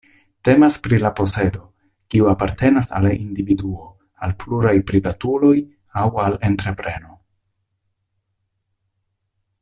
Temas pri la posedo, kiu apartenas al individuo, al pluraj privatuloj aŭ al entrepreno.